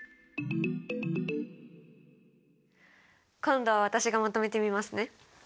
今度は私がまとめてみますね。